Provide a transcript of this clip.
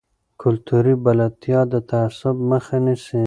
کلتوري بلدتیا د تعصب مخه نیسي.